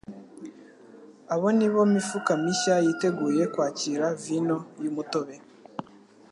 abo ni bo mifuka mishya yiteguye kwakira vino y'umutobe.